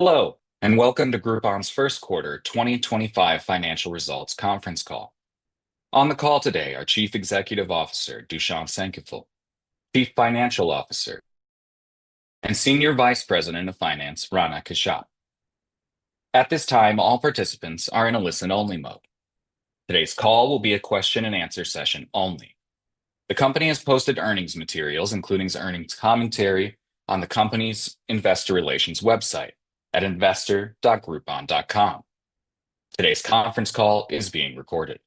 Hello, and welcome to Groupon's first quarter 2025 financial results conference call. On the call today are Chief Executive Officer Dušan Šenkypl, Chief Financial Officer and Senior Vice President of Finance, Rana Kashyap. At this time, all participants are in a listen-only mode. Today's call will be a question-and-answer session only. The company has posted earnings materials, including earnings commentary, on the company's Investor Relations website at investor.groupon.com. Today's conference call is being recorded.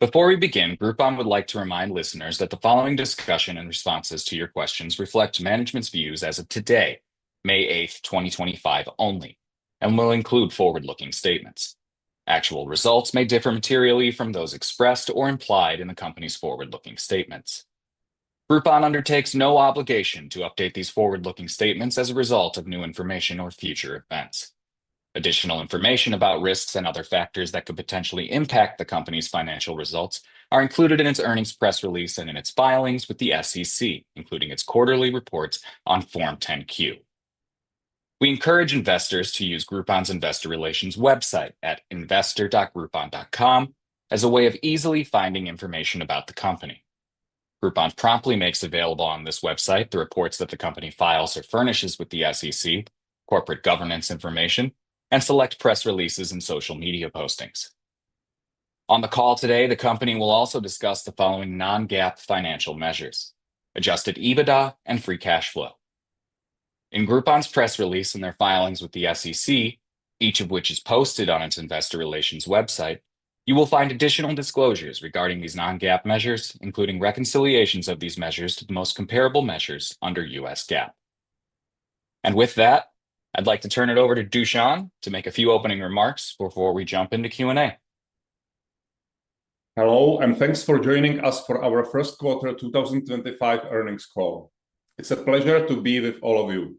Before we begin, Groupon would like to remind listeners that the following discussion and responses to your questions reflect management's views as of today, May 8th, 2025 only, and will include forward-looking statements. Actual results may differ materially from those expressed or implied in the company's forward-looking statements. Groupon undertakes no obligation to update these forward-looking statements as a result of new information or future events. Additional information about risks and other factors that could potentially impact the company's financial results are included in its earnings press release and in its filings with the SEC, including its quarterly reports on Form 10-Q. We encourage investors to use Groupon's Investor Relations website at investor.groupon.com as a way of easily finding information about the company. Groupon promptly makes available on this website the reports that the company files or furnishes with the SEC, corporate governance information, and select press releases and social media postings. On the call today, the company will also discuss the following non-GAAP financial measures: adjusted EBITDA and free cash flow. In Groupon's press release and their filings with the SEC, each of which is posted on its Investor Relations website, you will find additional disclosures regarding these non-GAAP measures, including reconciliations of these measures to the most comparable measures under U.S. GAAP. With that, I'd like to turn it over to Dušan to make a few opening remarks before we jump into Q&A. Hello, and thanks for joining us for our first quarter 2025 earnings call. It's a pleasure to be with all of you.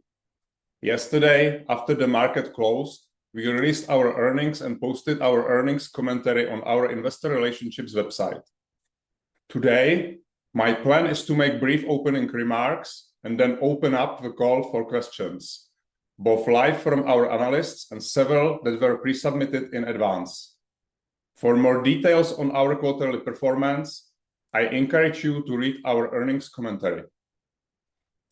Yesterday, after the market closed, we released our earnings and posted our earnings commentary on our Investor Relationships website. Today, my plan is to make brief opening remarks and then open up the call for questions, both live from our analysts and several that were pre-submitted in advance. For more details on our quarterly performance, I encourage you to read our earnings commentary.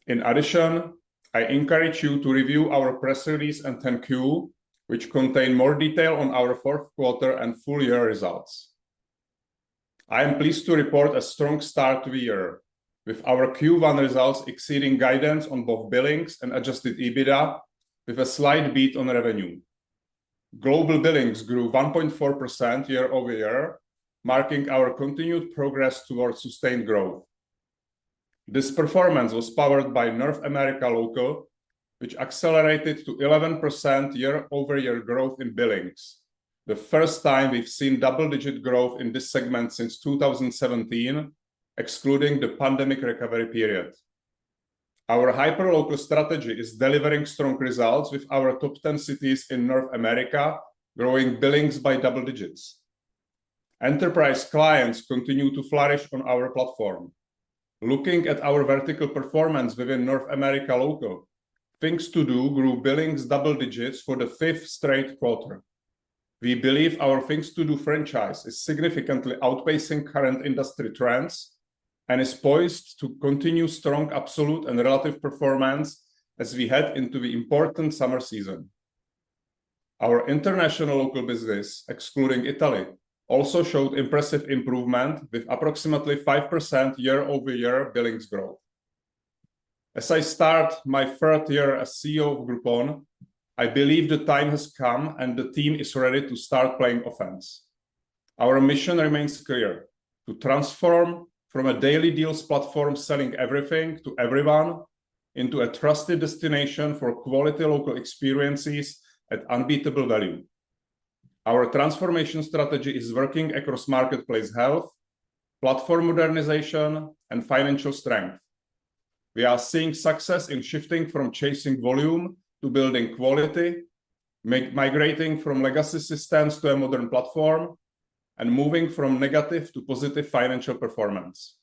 In addition, I encourage you to review our press release and 10-Q, which contain more detail on our fourth quarter and full year results. I am pleased to report a strong start to the year, with our Q1 results exceeding guidance on both billings and adjusted EBITDA, with a slight beat on revenue. Global billings grew 1.4% year-over-year, marking our continued progress towards sustained growth. This performance was powered by North America local, which accelerated to 11% year-over-year growth in billings, the first time we've seen double-digit growth in this segment since 2017, excluding the pandemic recovery period. Our hyperlocal strategy is delivering strong results, with our top 10 cities in North America growing billings by double digits. Enterprise clients continue to flourish on our platform. Looking at our vertical performance within North America local, Things to Do grew billings double digits for the fifth straight quarter. We believe our Things to Do franchise is significantly outpacing current industry trends and is poised to continue strong absolute and relative performance as we head into the important summer season. Our international local business, excluding Italy, also showed impressive improvement, with approximately 5% year-over-year billings growth. As I start my third year as CEO of Groupon, I believe the time has come and the team is ready to start playing offense. Our mission remains clear: to transform from a daily deals platform selling everything to everyone into a trusted destination for quality local experiences at unbeatable value. Our transformation strategy is working across marketplace health, platform modernization, and financial strength. We are seeing success in shifting from chasing volume to building quality, migrating from legacy systems to a modern platform, and moving from negative to positive financial performance.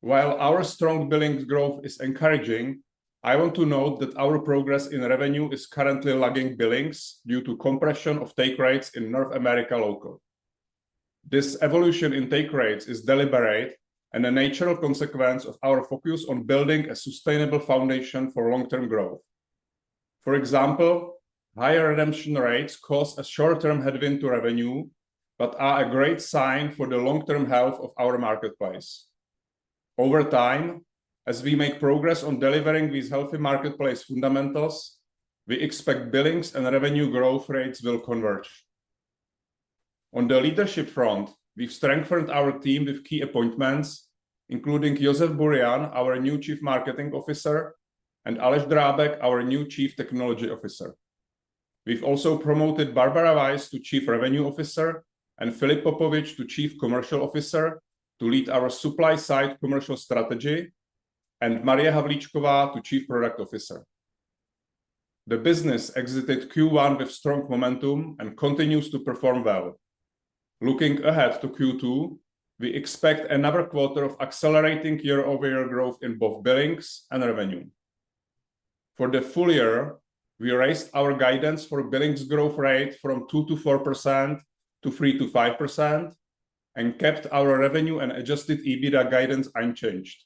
While our strong billings growth is encouraging, I want to note that our progress in revenue is currently lagging billings due to compression of take rates in North America local. This evolution in take rates is deliberate and a natural consequence of our focus on building a sustainable foundation for long-term growth. For example, higher redemption rates cause a short-term headwind to revenue but are a great sign for the long-term health of our marketplace. Over time, as we make progress on delivering these healthy marketplace fundamentals, we expect billings and revenue growth rates will converge. On the leadership front, we've strengthened our team with key appointments, including Josef Buryan, our new Chief Marketing Officer, and Aleš Drábek, our new Chief Technology Officer. We've also promoted Barbara Weisz to Chief Revenue Officer and Filip Popovic to Chief Commercial Officer to lead our supply-side commercial strategy and Marie Havlíčková to Chief Product Officer. The business exited Q1 with strong momentum and continues to perform well. Looking ahead to Q2, we expect another quarter of accelerating year-over-year growth in both billings and revenue. For the full year, we raised our guidance for billings growth rate from 2%-4% to 3%-5% and kept our revenue and adjusted EBITDA guidance unchanged.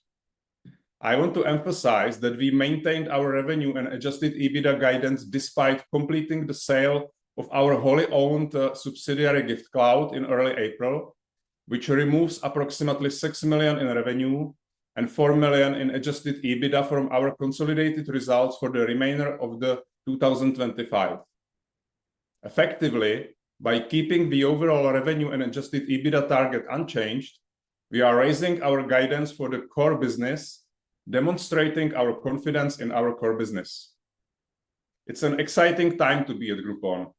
I want to emphasize that we maintained our revenue and adjusted EBITDA guidance despite completing the sale of our wholly-owned subsidiary Giftcloud in early April, which removes approximately $6 million in revenue and $4 million in adjusted EBITDA from our consolidated results for the remainder of 2025. Effectively, by keeping the overall revenue and adjusted EBITDA target unchanged, we are raising our guidance for the core business, demonstrating our confidence in our core business. It's an exciting time to be at Groupon.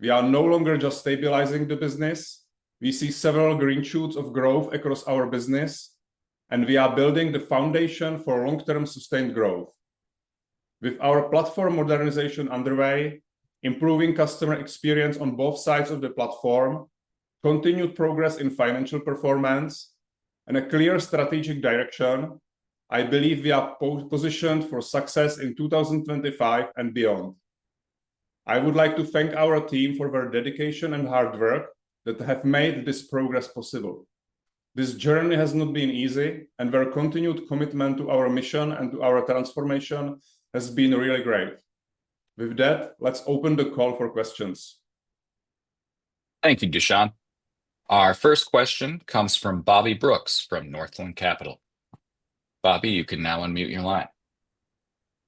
We are no longer just stabilizing the business; we see several green shoots of growth across our business, and we are building the foundation for long-term sustained growth. With our platform modernization underway, improving customer experience on both sides of the platform, continued progress in financial performance, and a clear strategic direction, I believe we are positioned for success in 2025 and beyond. I would like to thank our team for their dedication and hard work that have made this progress possible. This journey has not been easy, and their continued commitment to our mission and to our transformation has been really great. With that, let's open the call for questions. Thank you, Dušan. Our first question comes from Bobby Brooks from Northland Capital. Bobby, you can now unmute your line.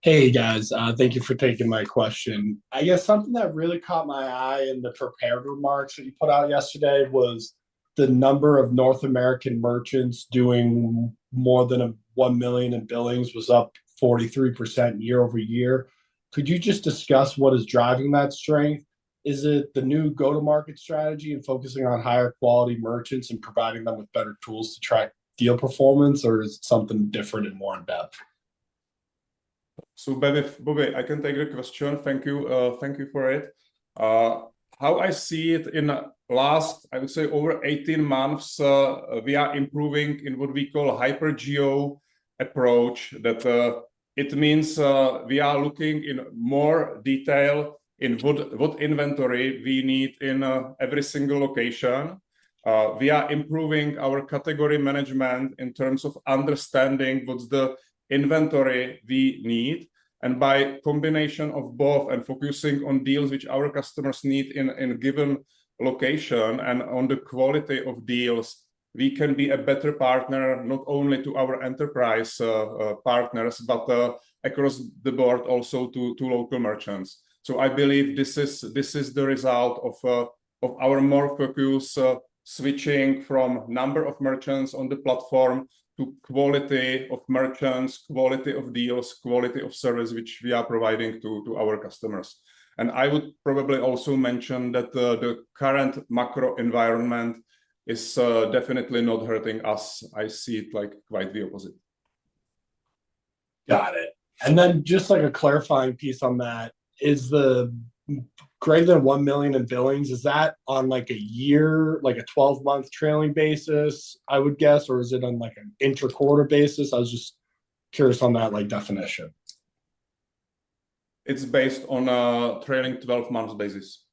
Hey, guys. Thank you for taking my question. I guess something that really caught my eye in the prepared remarks that you put out yesterday was the number of North American merchants doing more than $1 million in billings was up 43% year-over-year. Could you just discuss what is driving that strength? Is it the new go-to-market strategy and focusing on higher quality merchants and providing them with better tools to track deal performance, or is it something different and more in-depth? Bobby, I can take the question. Thank you. Thank you for it. How I see it in the last, I would say, over 18 months, we are improving in what we call a hyperlocal approach. That means we are looking in more detail in what inventory we need in every single location. We are improving our category management in terms of understanding what's the inventory we need. By combination of both and focusing on deals which our customers need in a given location and on the quality of deals, we can be a better partner not only to our enterprise partners, but across the board also to local merchants. I believe this is the result of our more focused switching from the number of merchants on the platform to the quality of merchants, quality of deals, quality of service which we are providing to our customers. I would probably also mention that the current macro environment is definitely not hurting us. I see it like quite the opposite. Got it. And then just like a clarifying piece on that, is the greater than $1 million in billings, is that on like a year, like a 12-month trailing basis, I would guess, or is it on like an interquarter basis? I was just curious on that definition. It's based on a trailing 12-month basis.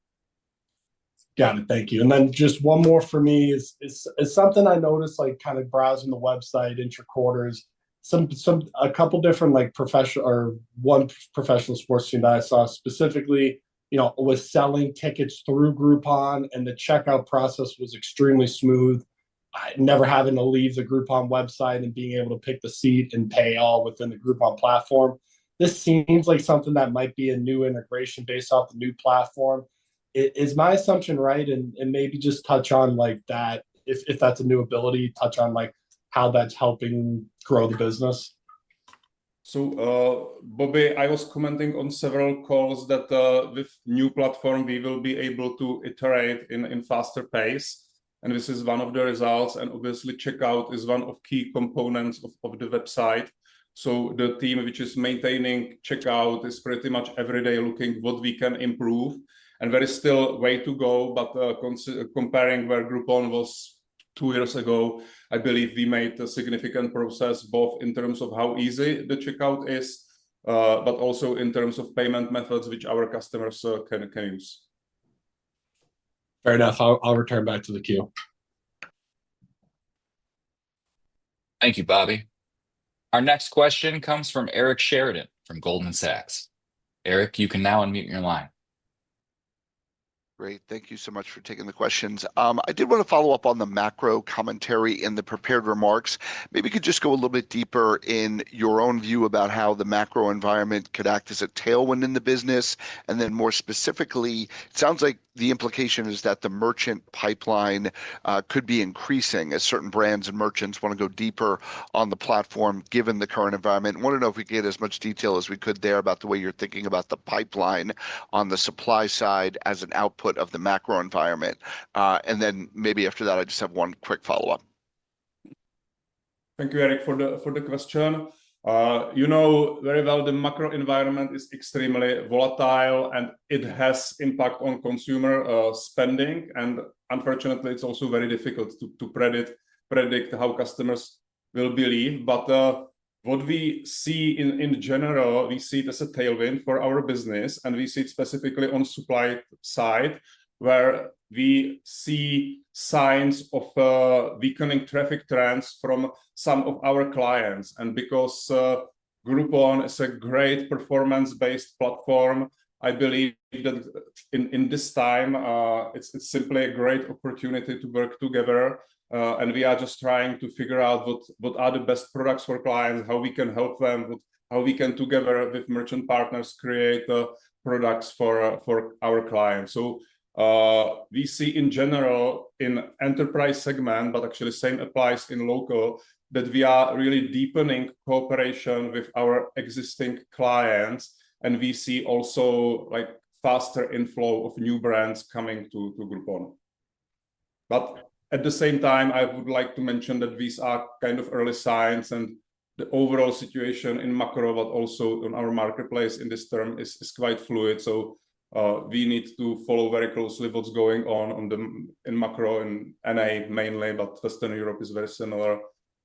Got it. Thank you. And then just one more for me is something I noticed like kind of browsing the website interquarters, a couple different professional or one professional sports team that I saw specifically was selling tickets through Groupon, and the checkout process was extremely smooth, never having to leave the Groupon website and being able to pick the seat and pay all within the Groupon platform. This seems like something that might be a new integration based off the new platform. Is my assumption right? And maybe just touch on like that, if that's a new ability, touch on like how that's helping grow the business? Bobby, I was commenting on several calls that with the new platform, we will be able to iterate in a faster pace. This is one of the results. Obviously, checkout is one of the key components of the website. The team which is maintaining checkout is pretty much every day looking at what we can improve. There is still a way to go. Comparing where Groupon was two years ago, I believe we made significant progress both in terms of how easy the checkout is, but also in terms of payment methods which our customers can use. Fair enough. I'll return back to the queue. Thank you, Bobby. Our next question comes from Eric Sheridan from Goldman Sachs. Eric, you can now unmute your line. Great. Thank you so much for taking the questions. I did want to follow up on the macro commentary in the prepared remarks. Maybe you could just go a little bit deeper in your own view about how the macro environment could act as a tailwind in the business. More specifically, it sounds like the implication is that the merchant pipeline could be increasing as certain brands and merchants want to go deeper on the platform given the current environment. I want to know if we could get as much detail as we could there about the way you're thinking about the pipeline on the supply side as an output of the macro environment. Maybe after that, I just have one quick follow-up. Thank you, Eric, for the question. You know very well the macro environment is extremely volatile, and it has an impact on consumer spending. Unfortunately, it's also very difficult to predict how customers will behave. What we see in general, we see it as a tailwind for our business. We see it specifically on the supply side, where we see signs of weakening traffic trends from some of our clients. Because Groupon is a great performance-based platform, I believe that in this time, it's simply a great opportunity to work together. We are just trying to figure out what are the best products for clients, how we can help them, how we can together with merchant partners create products for our clients. We see in general in the enterprise segment, but actually the same applies in local, that we are really deepening cooperation with our existing clients. We see also faster inflow of new brands coming to Groupon. At the same time, I would like to mention that these are kind of early signs. The overall situation in macro, but also on our marketplace in this term, is quite fluid. We need to follow very closely what's going on in macro in North America mainly, but Western Europe is very similar,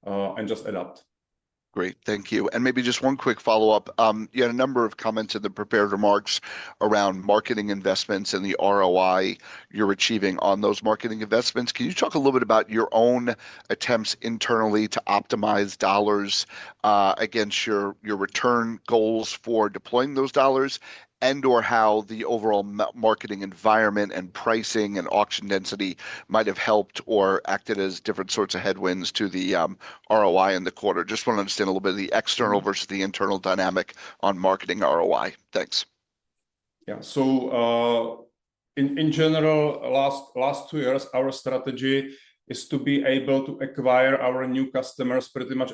and just adapt. Great. Thank you. Maybe just one quick follow-up. You had a number of comments in the prepared remarks around marketing investments and the ROI you're achieving on those marketing investments. Can you talk a little bit about your own attempts internally to optimize dollars against your return goals for deploying those dollars and/or how the overall marketing environment and pricing and auction density might have helped or acted as different sorts of headwinds to the ROI in the quarter? Just want to understand a little bit of the external versus the internal dynamic on marketing ROI. Thanks. Yeah. In general, last two years, our strategy is to be able to acquire our new customers pretty much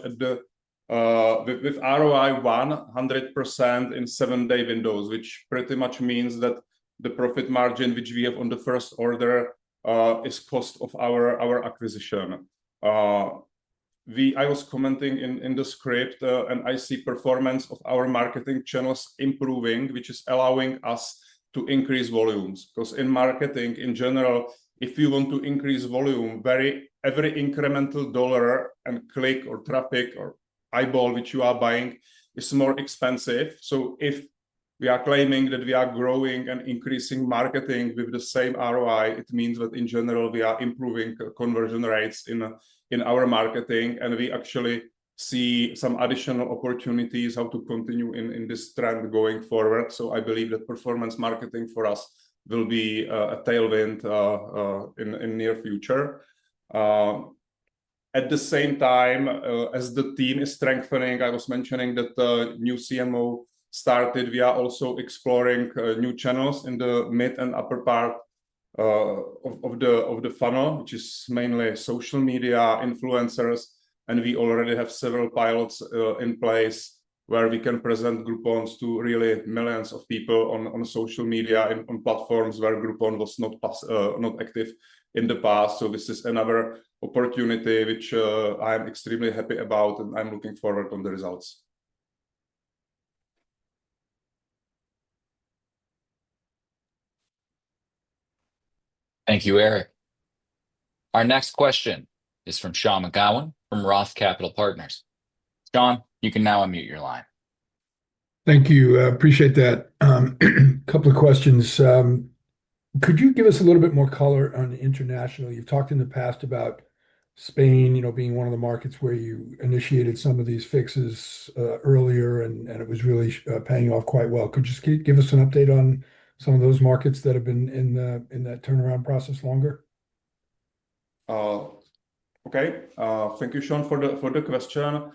with ROI 100% in seven-day windows, which pretty much means that the profit margin which we have on the first order is cost of our acquisition. I was commenting in the script, and I see performance of our marketing channels improving, which is allowing us to increase volumes. Because in marketing in general, if you want to increase volume, every incremental dollar and click or traffic or eyeball which you are buying is more expensive. If we are claiming that we are growing and increasing marketing with the same ROI, it means that in general, we are improving conversion rates in our marketing. We actually see some additional opportunities how to continue in this trend going forward. I believe that performance marketing for us will be a tailwind in the near future. At the same time as the team is strengthening, I was mentioning that the new CMO started. We are also exploring new channels in the mid and upper part of the funnel, which is mainly social media influencers. We already have several pilots in place where we can present Groupon to really millions of people on social media and on platforms where Groupon was not active in the past. This is another opportunity which I am extremely happy about, and I'm looking forward to the results. Thank you, Eric. Our next question is from Sean McGowan from Roth Capital Partners. Sean, you can now unmute your line. Thank you. Appreciate that. A couple of questions. Could you give us a little bit more color on international? You've talked in the past about Spain being one of the markets where you initiated some of these fixes earlier, and it was really paying off quite well. Could you just give us an update on some of those markets that have been in that turnaround process longer? Okay. Thank you, Sean, for the question.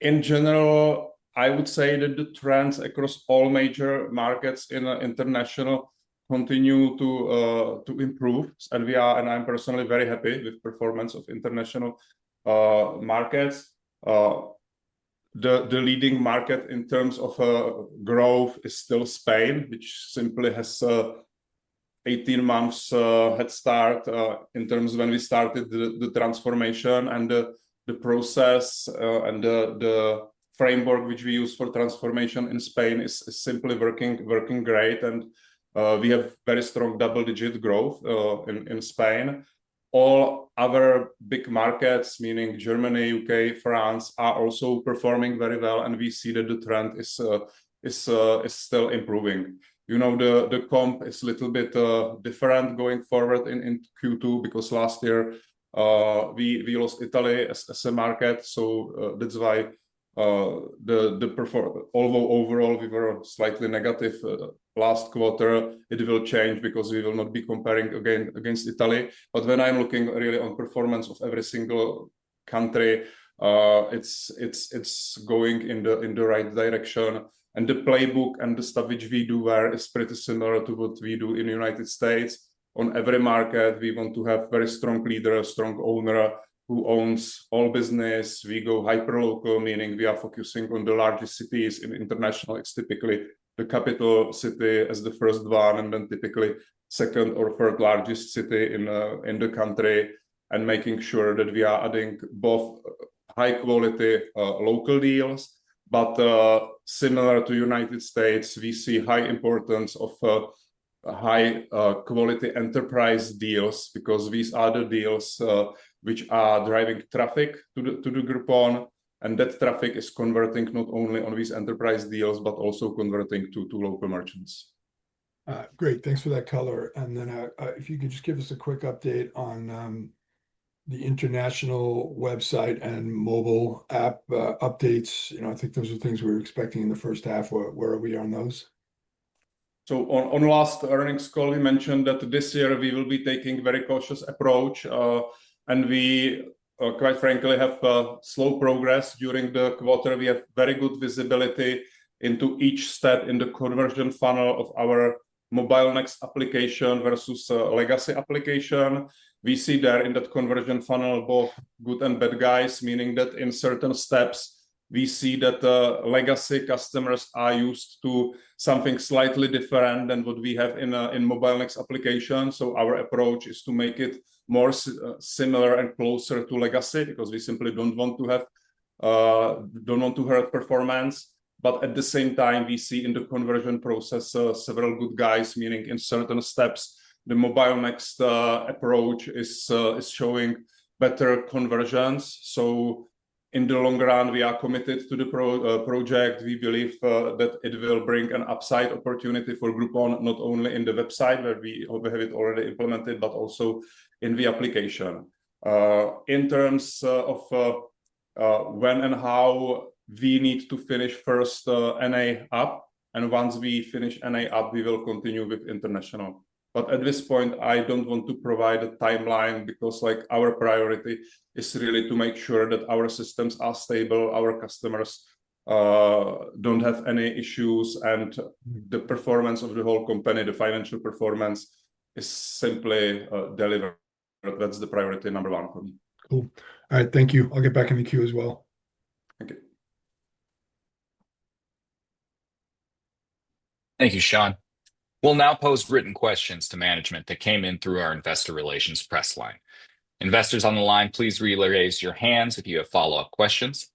In general, I would say that the trends across all major markets in international continue to improve. I am personally very happy with the performance of international markets. The leading market in terms of growth is still Spain, which simply has an 18-month head start in terms of when we started the transformation. The process and the framework which we use for transformation in Spain is simply working great. We have very strong double-digit growth in Spain. All other big markets, meaning Germany, U.K., France, are also performing very well. We see that the trend is still improving. The comp is a little bit different going forward in Q2 because last year, we lost Italy as a market. That is why although overall, we were slightly negative last quarter, it will change because we will not be comparing against Italy. When I'm looking really on the performance of every single country, it's going in the right direction. The playbook and the stuff which we do there is pretty similar to what we do in the United States. In every market, we want to have a very strong leader, a strong owner who owns all business. We go hyper-local, meaning we are focusing on the largest cities in international. It's typically the capital city as the first one and then typically second or third largest city in the country. Making sure that we are adding both high-quality local deals. Similar to the United States, we see high importance of high-quality enterprise deals because these are the deals which are driving traffic to Groupon. That traffic is converting not only on these enterprise deals, but also converting to local merchants. Great. Thanks for that color. If you could just give us a quick update on the international website and mobile app updates. I think those are things we were expecting in the first half. Where are we on those? On last earnings call, we mentioned that this year, we will be taking a very cautious approach. We, quite frankly, have slow progress during the quarter. We have very good visibility into each step in the conversion funnel of our Mobile Next application versus legacy application. We see there in that conversion funnel both good and bad guys, meaning that in certain steps, we see that legacy customers are used to something slightly different than what we have in Mobile Next application. Our approach is to make it more similar and closer to legacy because we simply do not want to hurt performance. At the same time, we see in the conversion process several good guys, meaning in certain steps, the Mobile Next approach is showing better conversions. In the long run, we are committed to the project. We believe that it will bring an upside opportunity for Groupon, not only in the website where we have it already implemented, but also in the application. In terms of when and how, we need to finish first NA app. Once we finish NA up, we will continue with international. At this point, I do not want to provide a timeline because our priority is really to make sure that our systems are stable, our customers do not have any issues, and the performance of the whole company, the financial performance, is simply delivered. That is the priority number one for me. Cool. All right. Thank you. I'll get back in the queue as well. Thank you. Thank you, Sean. We'll now pose written questions to management that came in through our investor relations press line. Investors on the line, please raise your hands if you have follow-up questions.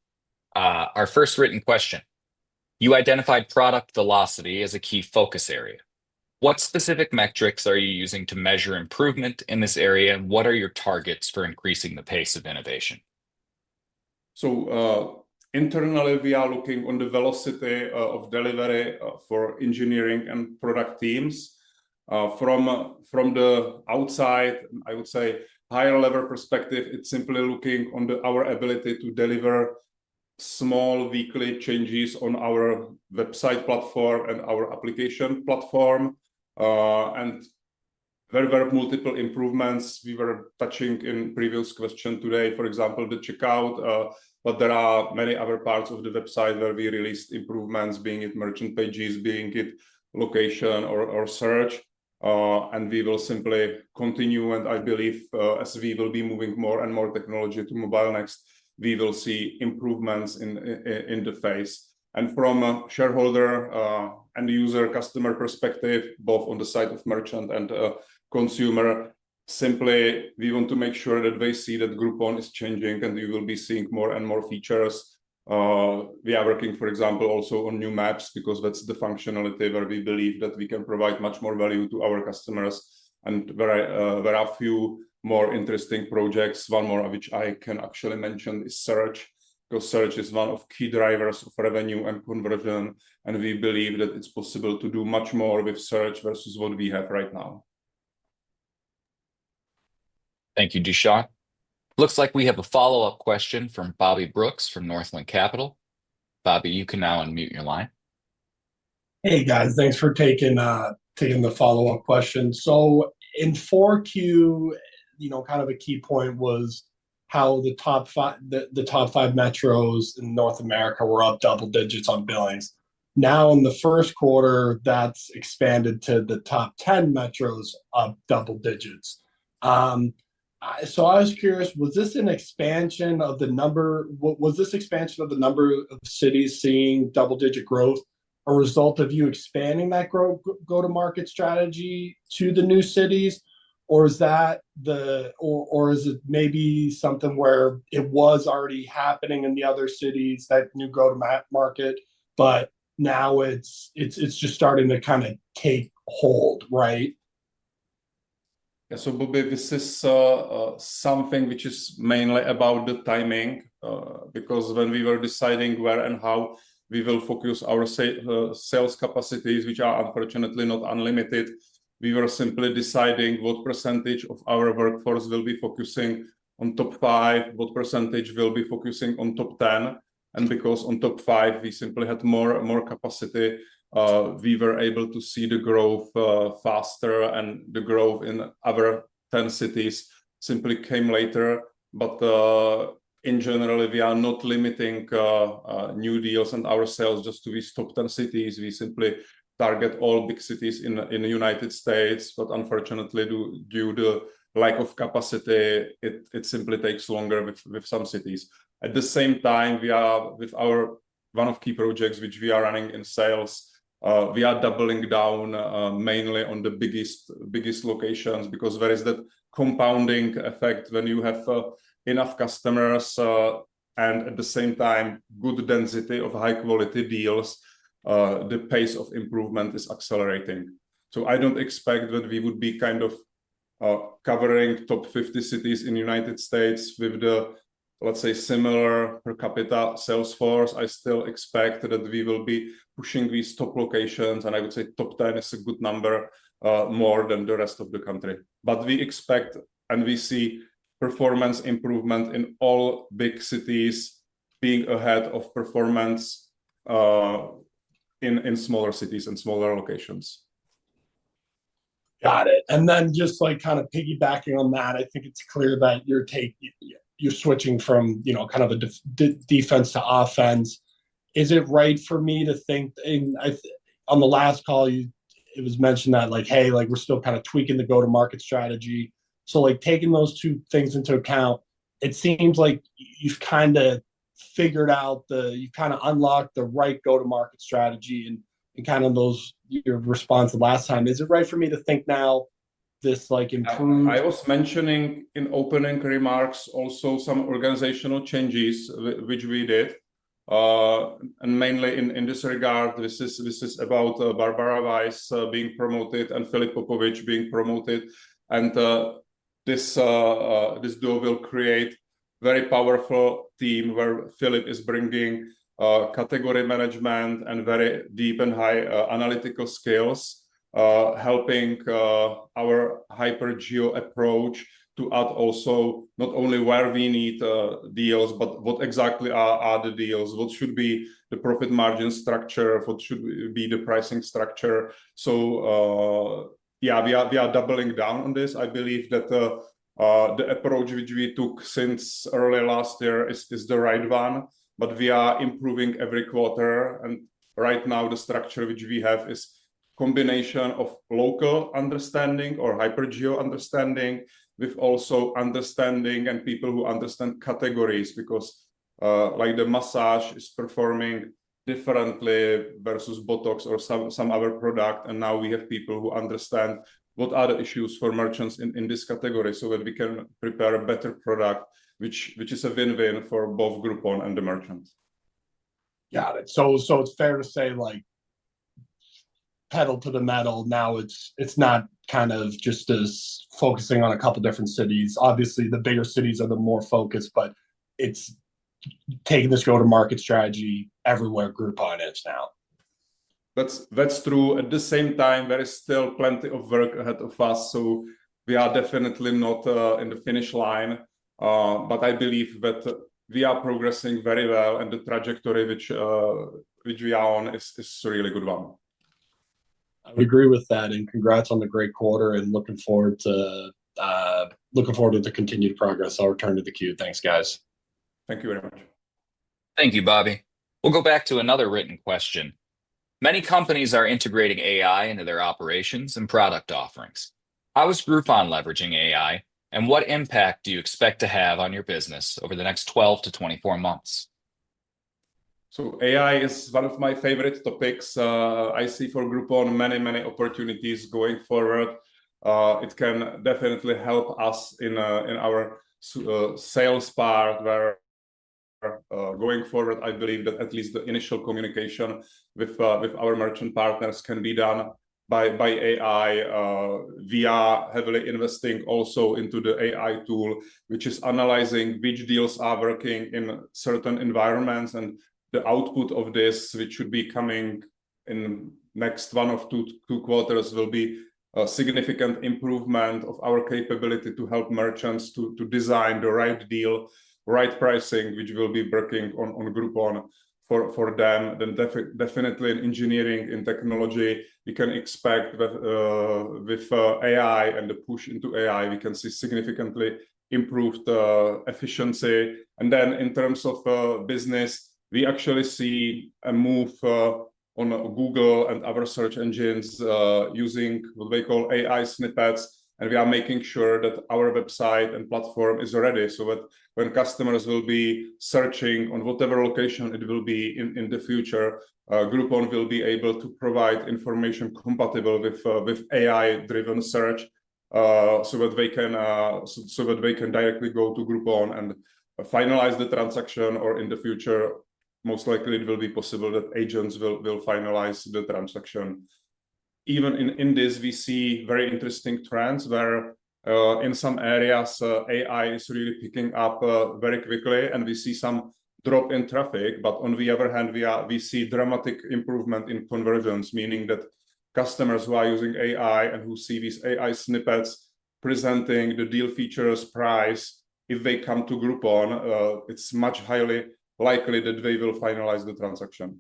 Our first written question. You identified product velocity as a key focus area. What specific metrics are you using to measure improvement in this area, and what are your targets for increasing the pace of innovation? Internally, we are looking on the velocity of delivery for engineering and product teams. From the outside, I would say higher-level perspective, it's simply looking on our ability to deliver small weekly changes on our website platform and our application platform. There were multiple improvements we were touching in previous questions today, for example, the checkout. There are many other parts of the website where we released improvements, being it merchant pages, being it location or search. We will simply continue. I believe as we will be moving more and more technology to Mobile Next, we will see improvements in the face. From a shareholder and user customer perspective, both on the side of merchant and consumer, simply we want to make sure that they see that Groupon is changing and we will be seeing more and more features. We are working, for example, also on new maps because that's the functionality where we believe that we can provide much more value to our customers. There are a few more interesting projects. One more of which I can actually mention is search because search is one of key drivers of revenue and conversion. We believe that it's possible to do much more with search versus what we have right now. Thank you, Dušan. Looks like we have a follow-up question from Bobby Brooks from Northland Capital. Bobby, you can now unmute your line. Hey, guys. Thanks for taking the follow-up question. In Q4, kind of a key point was how the top five metros in North America were up double digits on billings. Now in the first quarter, that's expanded to the top 10 metros up double digits. I was curious, was this expansion of the number of cities seeing double-digit growth a result of you expanding that go-to-market strategy to the new cities? Or is it maybe something where it was already happening in the other cities, that new go-to-market, but now it's just starting to kind of take hold, right? Yeah. Bobby, this is something which is mainly about the timing because when we were deciding where and how we will focus our sales capacities, which are unfortunately not unlimited, we were simply deciding what percentage of our workforce will be focusing on top five, what percentage will be focusing on top 10. On top five, we simply had more capacity, we were able to see the growth faster. The growth in other 10 cities simply came later. In general, we are not limiting new deals and our sales just to be stopped in cities. We simply target all big cities in the United States. Unfortunately, due to the lack of capacity, it simply takes longer with some cities. At the same time, with our one of key projects which we are running in sales, we are doubling down mainly on the biggest locations because there is that compounding effect when you have enough customers. At the same time, good density of high-quality deals, the pace of improvement is accelerating. I do not expect that we would be kind of covering top 50 cities in the United States with the, let's say, similar per capita sales force. I still expect that we will be pushing these top locations. I would say top 10 is a good number more than the rest of the country. We expect and we see performance improvement in all big cities being ahead of performance in smaller cities and smaller locations. Got it. Just kind of piggybacking on that, I think it's clear that you're switching from kind of a defense to offense. Is it right for me to think on the last call, it was mentioned that, hey, we're still kind of tweaking the go-to-market strategy? Taking those two things into account, it seems like you've kind of figured out the, you've kind of unlocked the right go-to-market strategy and kind of your response the last time. Is it right for me to think now this improved? I was mentioning in opening remarks also some organizational changes, which we did. Mainly in this regard, this is about Barbara Weisz being promoted and Filip Popovic being promoted. This deal will create a very powerful team where Filip is bringing category management and very deep and high analytical skills, helping our hyper-geo approach to add also not only where we need deals, but what exactly are the deals, what should be the profit margin structure, what should be the pricing structure. Yeah, we are doubling down on this. I believe that the approach which we took since early last year is the right one. We are improving every quarter. Right now, the structure which we have is a combination of local understanding or hyper-geo understanding with also understanding and people who understand categories because the massage is performing differently versus Botox or some other product. Now we have people who understand what are the issues for merchants in this category so that we can prepare a better product, which is a win-win for both Groupon and the merchants. Got it. So it's fair to say pedal to the metal. Now it's not kind of just focusing on a couple of different cities. Obviously, the bigger cities are the more focused, but it's taking this go-to-market strategy everywhere Groupon is now. That's true. At the same time, there is still plenty of work ahead of us. We are definitely not in the finish line. I believe that we are progressing very well. The trajectory which we are on is a really good one. I would agree with that. Congrats on the great quarter and looking forward to the continued progress. I'll return to the queue. Thanks, guys. Thank you very much. Thank you, Bobby. We'll go back to another written question. Many companies are integrating AI into their operations and product offerings. How is Groupon leveraging AI, and what impact do you expect to have on your business over the next 12-24 months? AI is one of my favorite topics. I see for Groupon many, many opportunities going forward. It can definitely help us in our sales part where going forward, I believe that at least the initial communication with our merchant partners can be done by AI. We are heavily investing also into the AI tool, which is analyzing which deals are working in certain environments. The output of this, which should be coming in the next one or two quarters, will be a significant improvement of our capability to help merchants to design the right deal, right pricing, which will be working on Groupon for them. In engineering, in technology, we can expect with AI and the push into AI, we can see significantly improved efficiency. In terms of business, we actually see a move on Google and other search engines using what they call AI snippets. We are making sure that our website and platform is ready so that when customers will be searching on whatever location it will be in the future, Groupon will be able to provide information compatible with AI-driven search so that they can directly go to Groupon and finalize the transaction. In the future, most likely, it will be possible that agents will finalize the transaction. Even in this, we see very interesting trends where in some areas, AI is really picking up very quickly. We see some drop in traffic. On the other hand, we see dramatic improvement in conversions, meaning that customers who are using AI and who see these AI snippets presenting the deal features, price, if they come to Groupon, it's much more likely that they will finalize the transaction.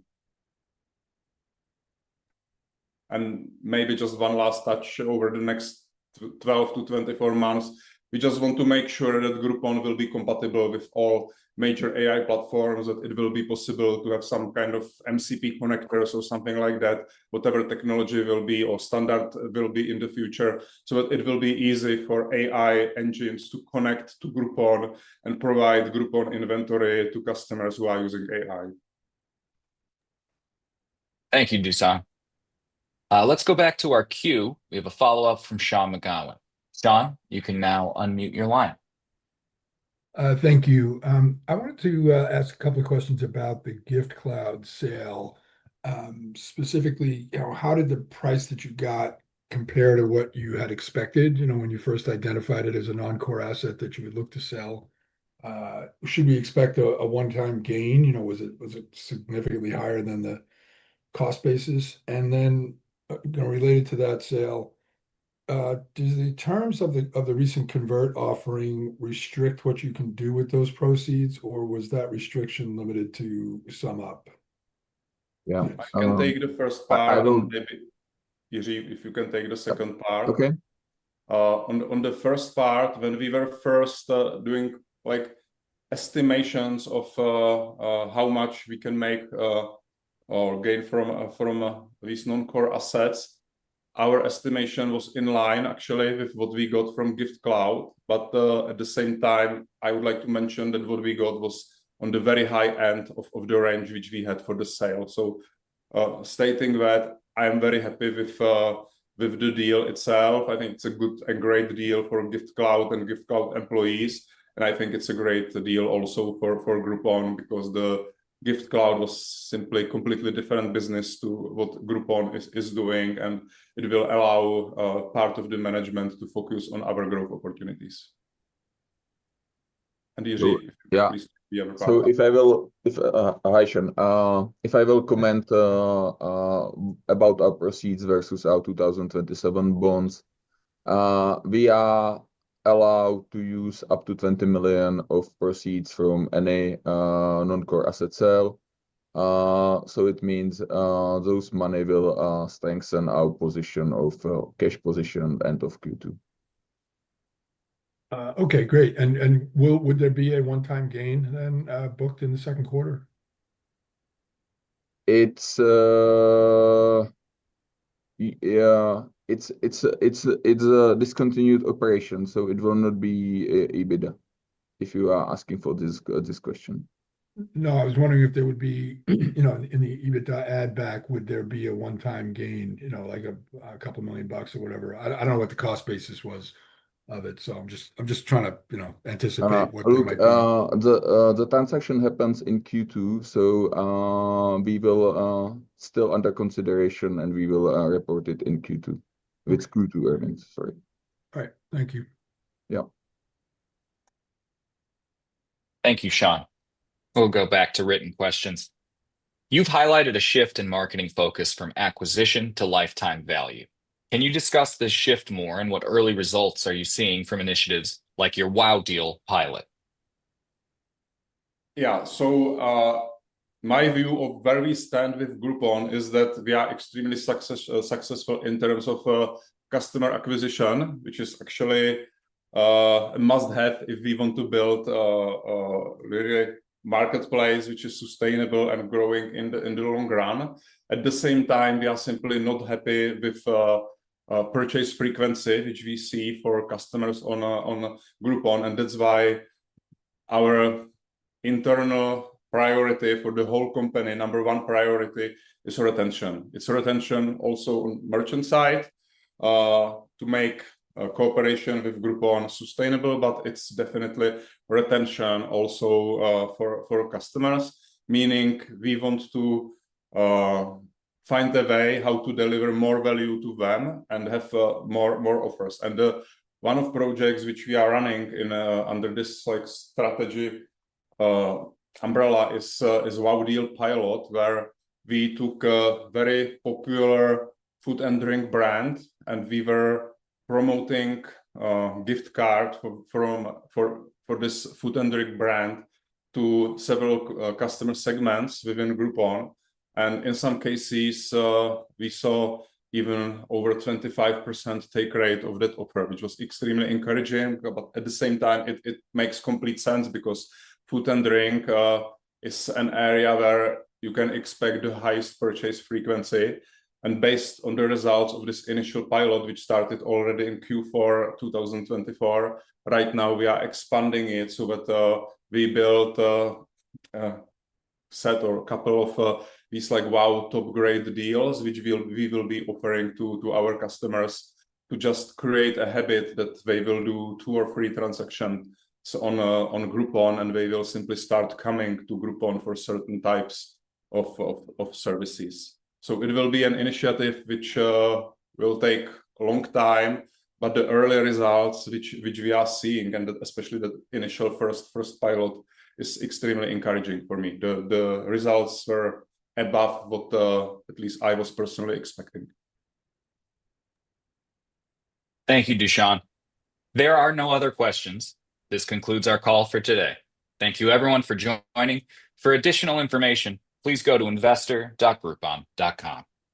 Maybe just one last touch over the next 12-24 months. We just want to make sure that Groupon will be compatible with all major AI platforms, that it will be possible to have some kind of MCP connectors or something like that, whatever technology or standard will be in the future, so that it will be easy for AI engines to connect to Groupon and provide Groupon inventory to customers who are using AI. Thank you, Dušan. Let's go back to our queue. We have a follow-up from Sean McGowan. Sean, you can now unmute your line. Thank you. I wanted to ask a couple of questions about the Giftcloud sale. Specifically, how did the price that you got compare to what you had expected when you first identified it as an encore asset that you would look to sell? Should we expect a one-time gain? Was it significantly higher than the cost basis? Then related to that sale, do the terms of the recent convert offering restrict what you can do with those proceeds, or was that restriction limited to sum up? Yeah. I can take the first part. Jiri, if you can take the second part. On the first part, when we were first doing estimations of how much we can make or gain from these non-core assets, our estimation was in line, actually, with what we got from Giftcloud. At the same time, I would like to mention that what we got was on the very high end of the range which we had for the sale. Stating that, I am very happy with the deal itself. I think it's a good and great deal for Giftcloud and Giftcloud employees. I think it's a great deal also for Groupon because Giftcloud was simply a completely different business to what Groupon is doing. It will allow part of the management to focus on other growth opportunities. Jiri, if you can please be on the partner. If I will, Sean, if I will comment about our proceeds versus our 2027 bonds, we are allowed to use up to $20 million of proceeds from any non-core asset sale. It means those money will strengthen our position of cash position at the end of Q2. Okay, great. Would there be a one-time gain then booked in the second quarter? It's a discontinued operation. So it will not be EBITDA if you are asking for this question. No, I was wondering if there would be in the EBITDA add-back, would there be a one-time gain, like a couple of million bucks or whatever? I don't know what the cost basis was of it. So I'm just trying to anticipate what we might do. The transaction happens in Q2. So we will still under consideration, and we will report it in Q2 with Q2 earnings. Sorry. All right. Thank you. Yeah. Thank you, Sean. We'll go back to written questions. You've highlighted a shift in marketing focus from acquisition to lifetime value. Can you discuss this shift more and what early results are you seeing from initiatives like your WOW Deal pilot? Yeah. So my view of where we stand with Groupon is that we are extremely successful in terms of customer acquisition, which is actually a must-have if we want to build a marketplace which is sustainable and growing in the long run. At the same time, we are simply not happy with purchase frequency, which we see for customers on Groupon. That is why our internal priority for the whole company, number one priority, is retention. It is retention also on merchant side to make cooperation with Groupon sustainable. It is definitely retention also for customers, meaning we want to find a way how to deliver more value to them and have more offers. One of the projects which we are running under this strategy umbrella is WOW Deal pilot, where we took a very popular food and drink brand. We were promoting gift cards for this food and drink brand to several customer segments within Groupon. In some cases, we saw even over 25% take rate of that offer, which was extremely encouraging. At the same time, it makes complete sense because food and drink is an area where you can expect the highest purchase frequency. Based on the results of this initial pilot, which started already in Q4 2024, right now, we are expanding it so that we build a set or a couple of these WOW top-grade deals, which we will be offering to our customers to just create a habit that they will do two or three transactions on Groupon. They will simply start coming to Groupon for certain types of services. It will be an initiative which will take a long time. The early results which we are seeing, and especially the initial first pilot, is extremely encouraging for me. The results were above what at least I was personally expecting. Thank you, Dušan. There are no other questions. This concludes our call for today. Thank you, everyone, for joining. For additional information, please go to investor.groupon.com.